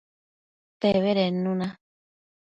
Pebedednu na